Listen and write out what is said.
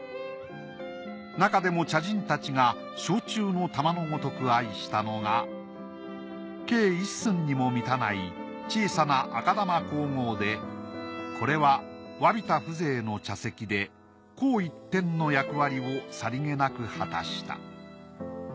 なかでも茶人たちが掌中の珠のごとく愛したのが径一寸にも満たない小さな赤玉香合でこれはわびた風情の茶席で紅一点の役割をさりげなく果たした。